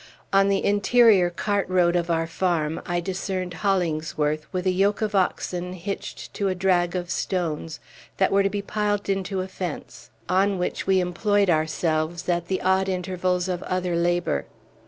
On the interior cart road of our farm I discerned Hollingsworth, with a yoke of oxen hitched to a drag of stones, that were to be piled into a fence, on which we employed ourselves at the odd intervals of other labor.